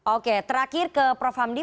oke terakhir ke prof hamdi